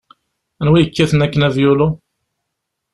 Anwa yekkaten akken avyulu?